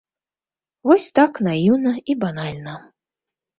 Вось так наіўна і банальна.